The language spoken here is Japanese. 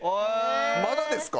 まだですか？